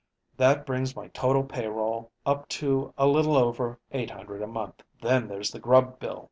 That brings my total payroll up to a little over $800 a month. Then, there's the grub bill.